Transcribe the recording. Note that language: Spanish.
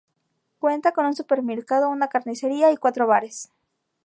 Cuenta con un supermercado, una carnicería y cuatro bares.